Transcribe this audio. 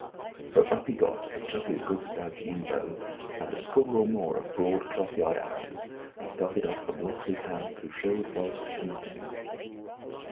So up he got and took his good stout yew bow and a score or more of broad clothyard arrows, and started off from Locksley Town through Sherwood Forest to Nottingham.